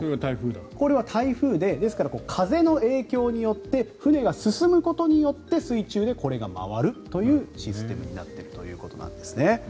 これが台風でですから、風の影響によって船が進むことによって水中でこれが回るというシステムになっているということです。